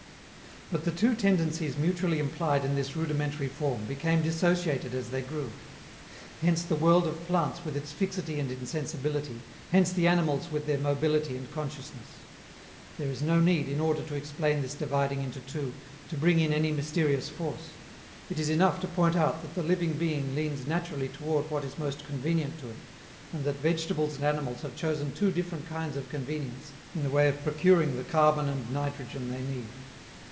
But the two tendencies mutually implied in this rudimentary form became dissociated as they grew. Hence the world of plants with its fixity and insensibility, hence the animals with their mobility and consciousness. There is no need, in order to explain this dividing into two, to bring in any mysterious force. It is enough to point out that the living being leans naturally toward what is most convenient to it, and that vegetables and animals have chosen two different kinds of convenience in the way of procuring the carbon and nitrogen they need.